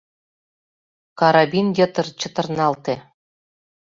Карабин йытыр чытырналте.